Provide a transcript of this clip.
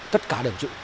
tất cả đều chịu